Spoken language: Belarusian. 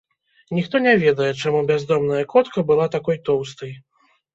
Ніхто не ведае, чаму бяздомная котка была такой тоўстай.